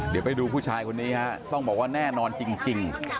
เดี๋ยวไปดูผู้ชายคนนี้ฮะต้องบอกว่าแน่นอนจริง